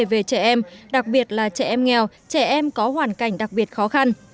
về trẻ em đặc biệt là trẻ em nghèo trẻ em có hoàn cảnh đặc biệt khó khăn